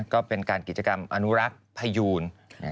กิจกรรมอนุรักษ์ภายูน